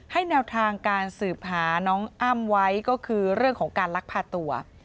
แนวทางการสืบหาน้องอ้ำไว้ก็คือเรื่องของการลักพาตัว